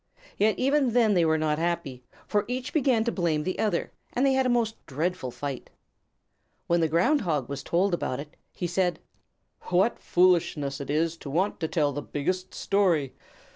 Yet even then they were not happy, for each began to blame the other, and they had a most dreadful fight. When the Ground Hog was told about it he said, "What foolishness it is to want to tell the biggest story!